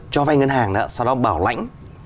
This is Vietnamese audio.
cho vay ngân hàng đó sau đó bảo lãnh